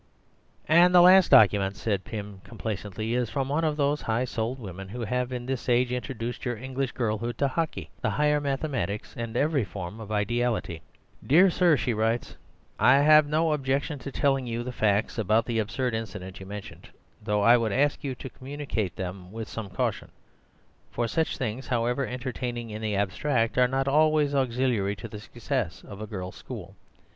"And the last document," said Dr. Pym complacently, "is from one of those high souled women who have in this age introduced your English girlhood to hockey, the higher mathematics, and every form of ideality. "Dear Sir (she writes),—I have no objection to telling you the facts about the absurd incident you mention; though I would ask you to communicate them with some caution, for such things, however entertaining in the abstract, are not always auxiliary to the success of a girls' school.